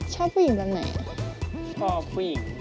ชอบมาก